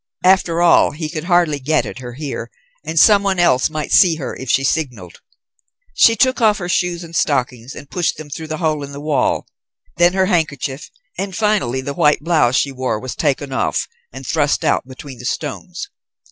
After all, he could hardly get at her here, and someone else might see her if she signalled. She took off her shoes and stockings and pushed them through the hole in the wall, then her handkerchief, and finally the white blouse she wore was taken off and thrust out between the stones.